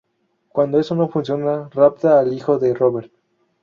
Cuando eso no funciona, rapta al hijo de Robert.